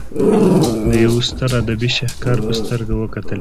د یوه ستر ادبي شهکار په سترګه وکتل شي.